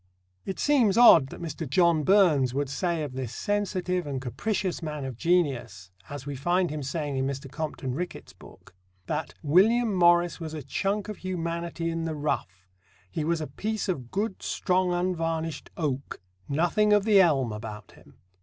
It seems odd that Mr. John Burns could say of this sensitive and capricious man of genius, as we find him saying in Mr. Compton Rickett's book, that "William Morris was a chunk of humanity in the rough; he was a piece of good, strong, unvarnished oak nothing of the elm about him."